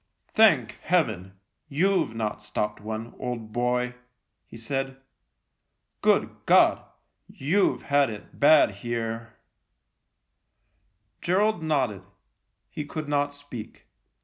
" Thank Heaven, you've not stopped one, old boy !" he said. " Good God ! You've had it bad here." THE LIEUTENANT 35 Gerald nodded ; he could not speak.